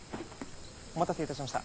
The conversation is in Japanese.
お待たせいたしました。